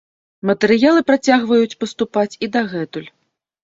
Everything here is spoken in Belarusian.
Матэрыялы працягваюць паступаць і дагэтуль.